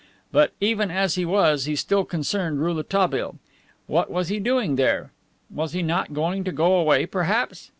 But, even as he was, he still concerned Rouletabille. What was he doing there? Was he not going to go away, perhaps?